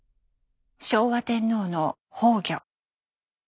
昭和天皇の崩御。